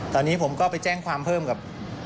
ตอนนี้ผมก็ไปแจ้งความเพิ่มกับ